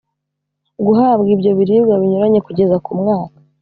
guhabwa ibyo biribwa binyuranye kugeza ku mwaka